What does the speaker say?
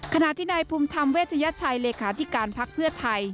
ขณะที่นายภูมิธรรมเวชยชัยเลขาธิการพักเพื่อไทย